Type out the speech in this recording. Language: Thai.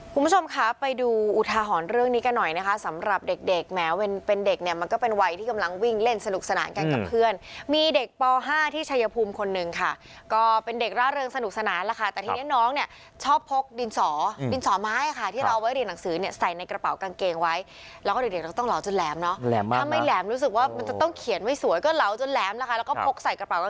คุณผู้ชมค่ะไปดูอุทาหรณ์เรื่องนี้กันหน่อยนะคะสำหรับเด็กเด็กแมวเป็นเด็กเนี้ยมันก็เป็นวัยที่กำลังวิ่งเล่นสนุกสนานกันกับเพื่อนมีเด็กปห้าที่ชัยภูมิคนนึงค่ะก็เป็นเด็กร่าเริงสนุกสนานล่ะค่ะแต่ที่นี้น้องเนี้ยชอบพกดินสอดินสอไม้ค่ะที่เราเอาไว้เรียนหนังสือเนี้ยใส่ในกระเป๋าก